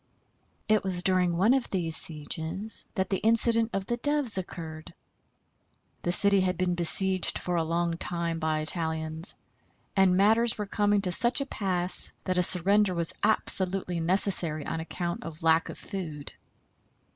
It was during one of these sieges that the incident of the Doves occurred. The city had been besieged for a long time by Italians, and matters were coming to such a pass that a surrender was absolutely necessary on account of lack of food.